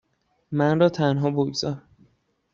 من را تنها بگذار.